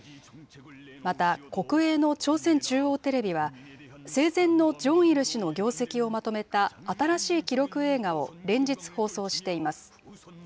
また、国営の朝鮮中央テレビは、生前のジョンイル氏の業績をまとめた新しい記録映画を、連日放送しています。